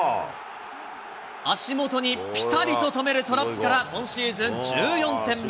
足元にぴたりと止めるトラップから今シーズン１４点目。